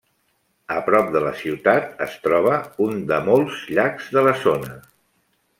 A prop de la ciutat es troba un de molts llacs de la zona.